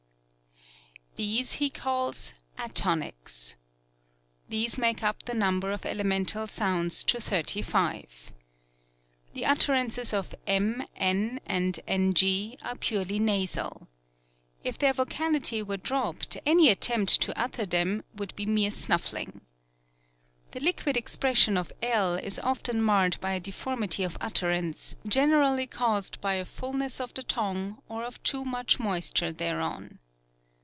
These he calls atonies. These make up the number of elemental sounds to thirty five. The utterances of m, n, and ng are purely nasal. If their vocality were dropped, any attempt to utter them would be mere snuffling. The liquid expression of I is often marred by a deformity of utterance, generally caused by a fulness of the tongue, or of too much moisture thereon.